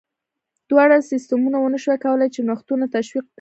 دواړو سیستمونو ونه شوای کولای چې نوښتونه تشویق کړي.